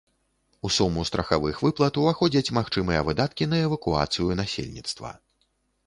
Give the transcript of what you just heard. У суму страхавых выплат уваходзяць магчымыя выдаткі на эвакуацыю насельніцтва.